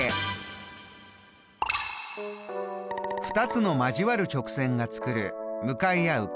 ２つの交わる直線が作る向かい合う